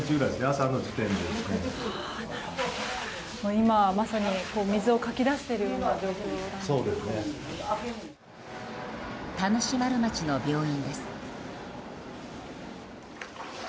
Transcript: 今、まさに水をかき出しているような田主丸町の病院です。